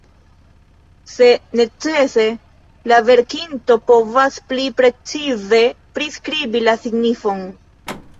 Se necese, la verkinto povas pli precize priskribi la signifon.